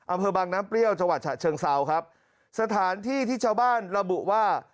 อำเภอบางน้ำเปรี้ยวจังหวัดฉะเชิงเซาครับสถานที่ที่ชาวบ้านระบุว่า